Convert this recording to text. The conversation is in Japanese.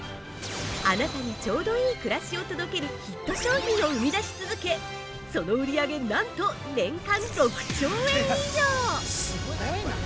あなたにちょうどいい暮らしを届けるヒット商品を生み出し続け、その売り上げなんと年間６兆円以上！